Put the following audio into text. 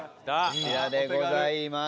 こちらでございます。